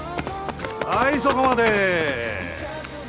はいそこまで！